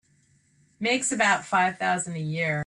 Makes about five thousand a year.